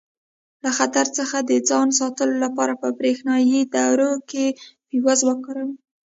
له خطر څخه د ځان ساتلو لپاره په برېښنایي دورو کې فیوز وکاروئ.